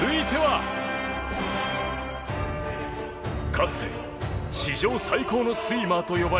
かつて史上最高のスイマーと呼ばれた男がいた。